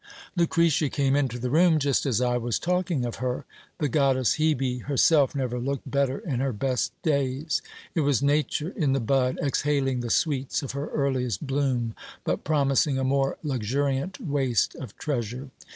Lucretia came into the room just as I was talking of her. The goddess Hebe herself never looked better in her best days : it was nature in the bud, exhaling the sweets of her earliest bloom, but promising a more luxuriant waste of trea sure.